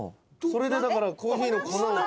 「それでだからコーヒーの粉が」